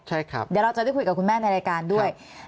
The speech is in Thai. ใช่ครับเดี๋ยวเราจะได้คุยกับคุณแม่ในรายการด้วย